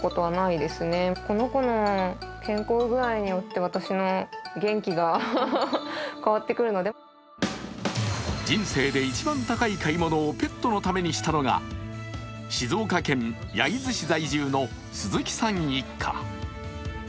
そこで病院に連れていくと人生で一番高い買い物をペットのためにしたのが、静岡県焼津市在住の鈴木さん一家。